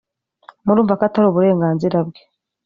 murumva ko atari uburenganzira bwe